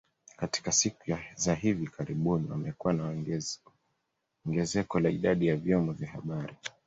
Katika siku za hivi karibuni kumekuwa na ongezeko la idadi ya vyombo vya habari